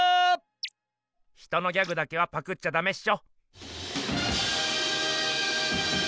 ヒトのギャグだけはパクっちゃダメっしょ。